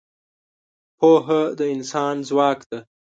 پوهه د انسان ځواک ده.